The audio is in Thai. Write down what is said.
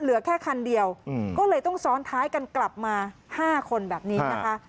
เหลือแค่คันเดียวก็เลยต้องซ้อนท้ายกันกลับมา๕คนแบบนี้นะคะ